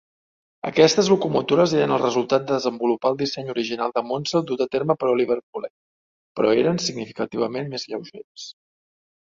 Aquestes locomotores eren el resultat de desenvolupar el disseny original de Maunsell dut a terme per Oliver Bulleid, però eren significativament més lleugeres.